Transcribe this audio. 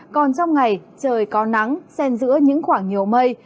còn trong ngày trời có nắng sen giữa những khoảng nhiều mây